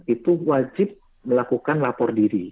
itu wajib melakukan lapor diri